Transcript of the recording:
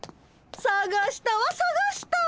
さがしたわさがしたわ。